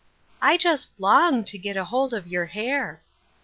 " I just long to get hold of your hair."